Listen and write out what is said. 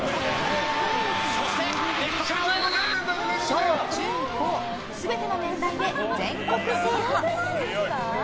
小中高全ての年代で全国制覇！